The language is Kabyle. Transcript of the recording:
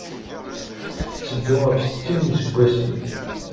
Tetteddu ɣef settin n yiseggasen.